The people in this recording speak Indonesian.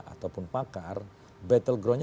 ataupun pakar battleground nya